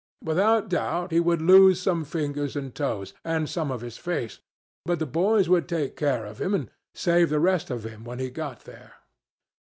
Without doubt he would lose some fingers and toes and some of his face; but the boys would take care of him, and save the rest of him when he got there.